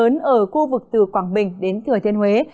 tình trạng mưa lớn ở khu vực từ quảng bình đến thừa thiên huế